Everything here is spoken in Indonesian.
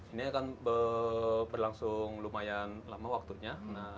ini akan berlangsung lumayan lama waktunya